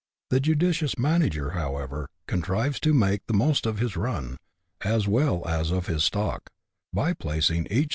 The judicious manager, however, contrives to make the most of his run, as well as of his stock, by placing U BUSH LIFE IN AUSTRALIA. [chap.